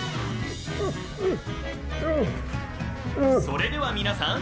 ・それでは皆さん